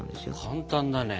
簡単だね。